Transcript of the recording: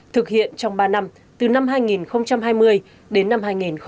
thực hiện trong ba năm từ năm hai nghìn hai mươi đến năm hai nghìn hai mươi một